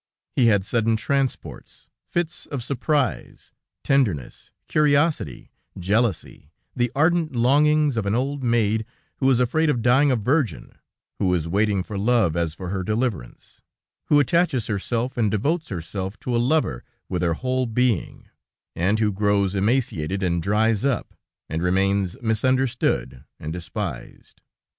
He had sudden transports, fits of surprise, tenderness, curiosity, jealousy, the ardent longings of an old maid who is afraid of dying a virgin, who is waiting for love as for her deliverance, who attaches herself and devotes herself to a lover with her whole being, and who grows emaciated and dries up, and remains misunderstood and despised.